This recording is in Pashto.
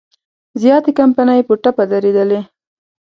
زیاتې کمپنۍ په ټپه درېدلي.